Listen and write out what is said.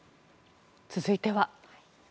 続いては。